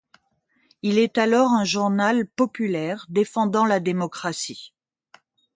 Il est alors un journal populaire défendant la démocratie.